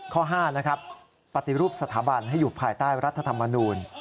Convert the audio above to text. ข้อ๕นะครับปฏิรูปสถาบันให้อยู่ภายใต้รัฐธรรมนูล